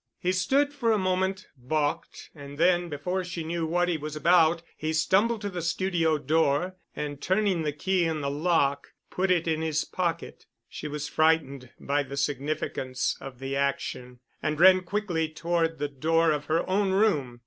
He stood for a moment balked and then before she knew what he was about he stumbled to the studio door and turning the key in the lock put it in his pocket. She was frightened by the significance of the action, and ran quickly toward the door of her own room.